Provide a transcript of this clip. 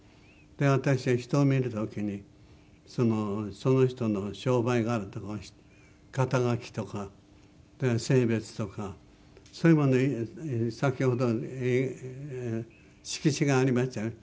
私は人を見る時にその人の商売柄とか肩書とか性別とかそういうもの先ほど色紙がありましたよね